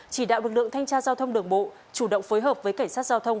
chỉ đạo lực lượng thanh tra giao thông đường bộ chủ động phối hợp với cảnh sát giao thông